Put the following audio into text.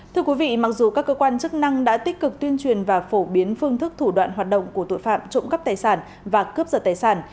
thưa quý vị mặc dù các cơ quan chức năng đã tích cực tuyên truyền và phổ biến phương thức thủ đoạn hoạt động của tội phạm trộm cắp tài sản và cướp giật tài sản